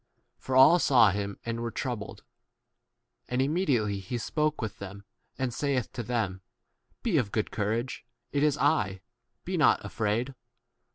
For all saw him and were troubled. And immediately he spoke with them, and saith to them, Be of good courage : it is I ; be not afraid.